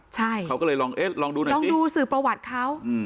ใช่เขาก็เลยลองเอ๊ะลองดูหน่อยลองดูสื่อประวัติเขา